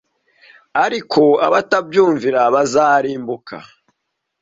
ariko ko abatayumvira bazarimbuka